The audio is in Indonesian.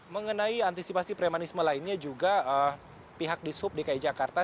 mengenai antisipasi premanisme lainnya juga pihak di sub dki jakarta